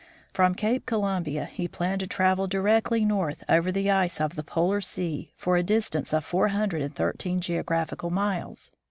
From Cape Columbia he planned to travel directly north over the ice of the Polar sea for a distance of four hundred and thirteen geographical miles.